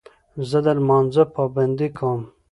زه د لمانځه پابندي کوم.